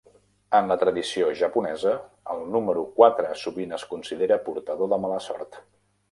En la tradició japonesa, el número quatre sovint es considera portador de mala sort.